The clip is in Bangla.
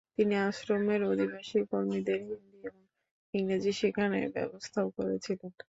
তিনি আশ্রমের আদিবাসী কর্মীদের হিন্দি এবং ইংরেজি শেখানোর ব্যবস্থাও করেছিলেন।